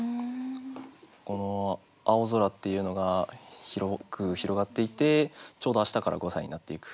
この青空っていうのが広く広がっていてちょうど明日から五歳になっていく。